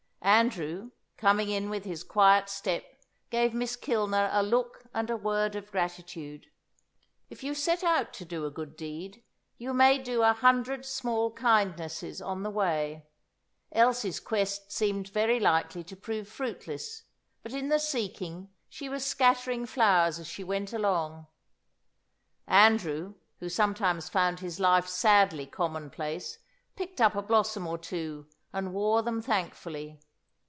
Andrew, coming in with his quiet step, gave Miss Kilner a look and a word of gratitude. If you set out to do a good deed, you may do a hundred small kindnesses on the way. Elsie's quest seemed very likely to prove fruitless, but in the seeking she was scattering flowers as she went along. Andrew, who sometimes found his life sadly commonplace, picked up a blossom or two, and wore them thankfully.